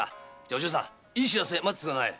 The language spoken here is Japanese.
お嬢さんいい報せ待ってておくんなさい。